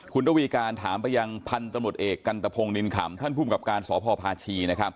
คุณระวีการถามไปยังพันธุ์ตำรวจเอกกันตะพงศินขำท่านภูมิกับการสพพาชี